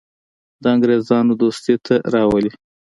د انګرېزانو دوستي ته راولي.